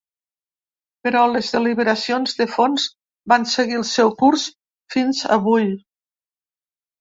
Però les deliberacions de fons van seguir el seu curs fins avui.